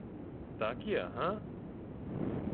— Так є, га?